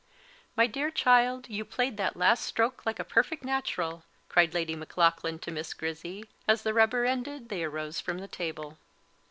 "My dear child, you played that last stroke like a perfect natural," cried Lady Maclaughlan to Miss Grizzy, as the rubber ended, they arose from the table.